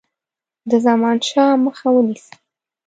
د زمانشاه مخه ونیسي.